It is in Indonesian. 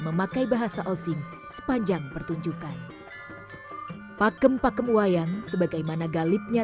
memakai bahasa osing sepanjang pertunjukan pakem pakem wayang sebagaimana galipnya